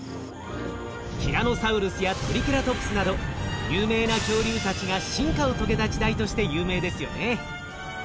ティラノサウルスやトリケラトプスなど有名な恐竜たちが進化を遂げた時代として有名ですよね。